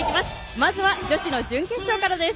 まずは女子の準決勝からです。